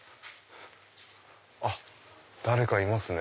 あっ誰かいますね。